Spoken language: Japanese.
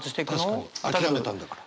確かに諦めたんだから。